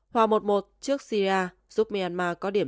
hỏa một một trước syria giúp myanmar có điểm sáu